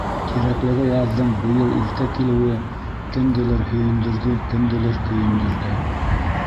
Тирәклегә яҙҙың быйыл иртә килеүе кемделер һөйөндөрҙө, кемделер көйөндөрҙө.